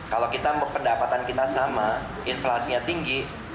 kalau pendapatan kita sama inflasinya tinggi